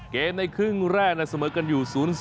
ในครึ่งแรกเสมอกันอยู่๐๒